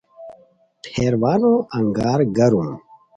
پھیروانو انگار گرم